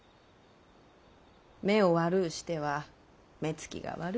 目を悪うしては目つきが悪うなる。